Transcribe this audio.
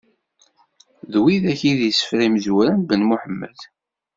D widak i d isefra imezwura n Ben Muḥemmed.